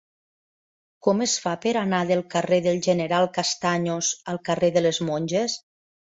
Com es fa per anar del carrer del General Castaños al carrer de les Monges?